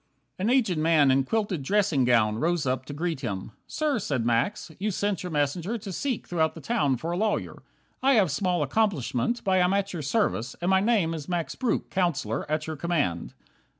9 An aged man in quilted dressing gown Rose up to greet him. "Sir," said Max, "you sent Your messenger to seek throughout the town A lawyer. I have small accomplishment, But I am at your service, and my name Is Max Breuck, Counsellor, at your command."